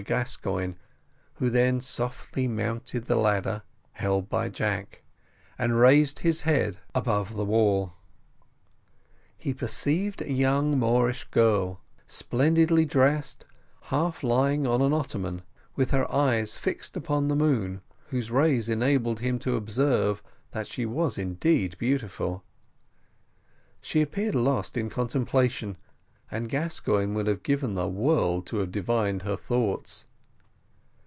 Gascoigne, who then softly mounted the ladder, held by Jack, and raised his head above the wall; he perceived a young Moorish girl, splendidly dressed, half lying on an ottoman, with her eyes fixed upon the moon, whose rays enabled him to observe that she was indeed beautiful. She appeared lost in contemplation; and Gascoigne would have given the world to have divined her thoughts.